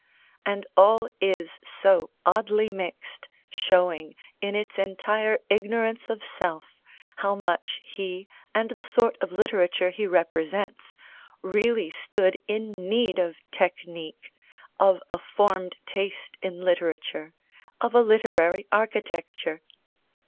And all is so oddly mixed, showing, in its entire ignorance of self, how much he, and the sort of literature he represents, really stood in need of technique, of a formed taste in literature, of a literary architecture.